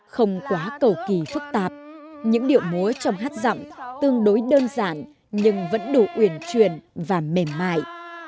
không quá cầu kỳ phức tạp những điệu múa trong hát giọng tương đối đơn giản nhưng vẫn đủ uyển truyền và mềm mại